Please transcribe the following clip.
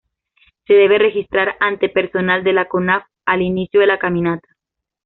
Se debe registrar ante personal de la Conaf al inicio de la caminata.